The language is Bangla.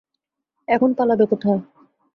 এখন পালাবে কোথায়?